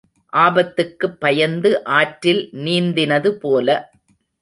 ஆபத்துக்குப் பயந்து ஆற்றில் நீந்தினது போல.